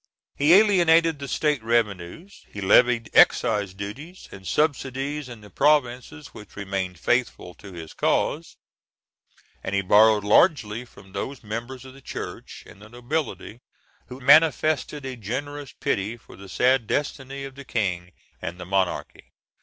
He alienated the State revenues, he levied excise duties and subsidies in the provinces which remained faithful to his cause, and he borrowed largely from those members of the Church and the nobility who manifested a generous pity for the sad destiny of the King and the monarchy.